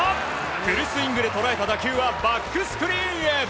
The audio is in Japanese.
フルスイングで捉えた打球はバックスクリーンへ。